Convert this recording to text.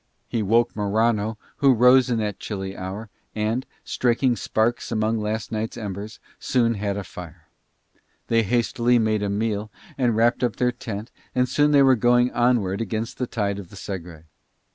He woke Morano who rose in that chilly hour and, striking sparks among last night's embers, soon had a fire: they hastily made a meal and wrapped up their tent and soon they were going onward against the tide of the Segre.